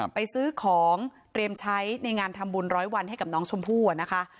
ไปซื้อของเตรียมใช้ในงานทำบุญร้อยวันให้กับน้องชมพู่นะคะ